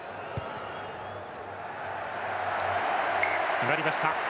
決まりました。